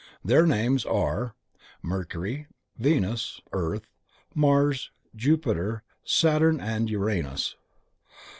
Their names are: Mercury, Venus, Earth, Mars, Jupiter, Saturn and Uranus.